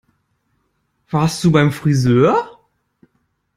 Warst du beim Frisör?